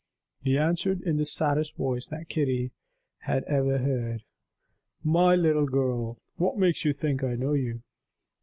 He answered in the saddest voice that Kitty had ever heard: "My little girl, what makes you think I know you?"